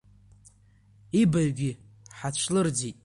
Ибаҩгьы ҳацәлырӡит.